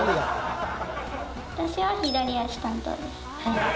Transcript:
私は左足担当です。